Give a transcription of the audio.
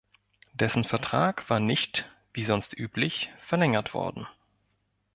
Dessen Vertrag war nicht, wie sonst üblich, verlängert worden.